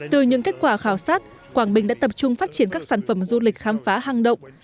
từ những kết quả khảo sát quảng bình đã tập trung phát triển các sản phẩm du lịch khám phá hang động